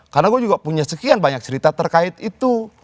karena gue juga punya sekian banyak cerita terkait itu